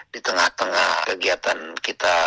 di tengah tengah kegiatan kita